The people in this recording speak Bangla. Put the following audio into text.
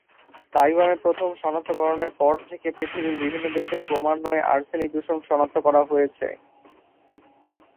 তাইওয়ানে প্রথম শনাক্তকরণের পর থেকে পৃথিবীর বিভিন্ন দেশে ক্রমান্বয়ে আর্সেনিক দূষণ শনাক্ত করা হয়েছে।